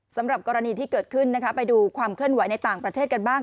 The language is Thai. สำหรับกรณีที่เกิดขึ้นนะคะไปดูความเคลื่อนไหวในต่างประเทศกันบ้าง